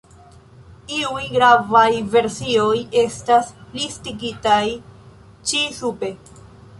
Iuj gravaj versioj estas listigitaj ĉi sube.